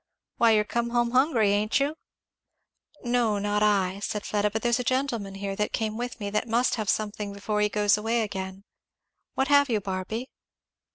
Why you're come home hungry, ain't you?" "No, not I," said Fleda, "but there's a gentleman here that came with me that must have something before he goes away again. What have you Barby?"